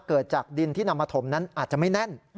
เกิดจากดินที่นำมาถมนั้นอาจจะไม่แน่น